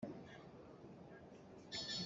Na rian a nuamh lo ahcun ngol ko hen!